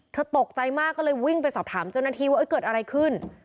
ตกใจมากก็เลยวิ่งไปสอบถามเจ้าหน้าที่ว่าเกิดอะไรขึ้น